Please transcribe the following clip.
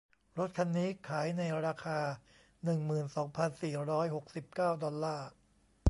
รถคันนี้ขายในราคา หนึ่งหมื่นสองพันสี่ร้อยหกสิบเก้าดอลลาร์